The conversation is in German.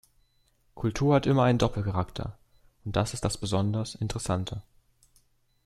Kultur hat immer einen Doppelcharakter, und das ist das besonders Interessante.